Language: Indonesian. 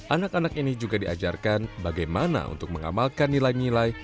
anak anak ini juga diajarkan bagaimana untuk mengamalkan nilai nilai